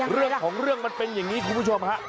เรื่องของเรื่องมันเป็นอย่างนี้คุณผู้ชมฮะ